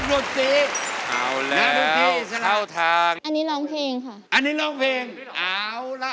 นักดนตรีนักดนตรีสลัดอันนี้ร้องเพลงค่ะอันนี้ร้องเพลงเอาละ